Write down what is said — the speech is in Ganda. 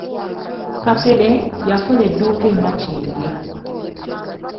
Kapere, yakola edduuka e Makindye.